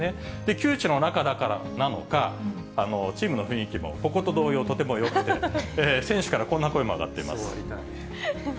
旧知の仲だからなのか、チームの雰囲気もここと同様、とてもよくて、選手からこんな声も上がってます。